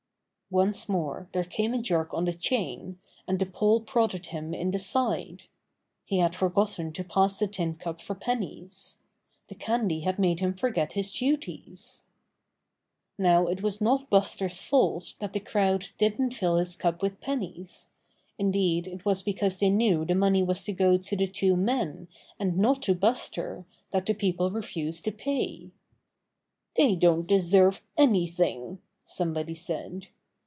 Once more there came a jerk on the chain, and the pole prodded him in the side. He 52 Buster the Bear had forgotten to pass the tin cup for pennies. The candy had made him forget his duties. Now it was not Buster's fault that the crowd didn't fill his cup with pennies. Indeed, it was because they knew the money was to go to the two men and not to Buster that the peo ple refused to pay. "They don't deserve anything!" somebody said.